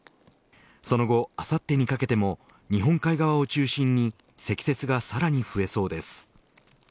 その後、あさってにかけても日本海側を中心に積雪がさらに増えそうです。